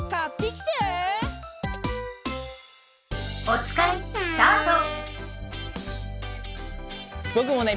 おつかいスタート！